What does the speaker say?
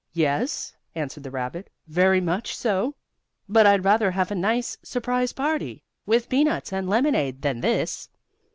"Yes," answered the rabbit, "very much so. But I'd rather have a nice surprise party, with peanuts and lemonade, than this."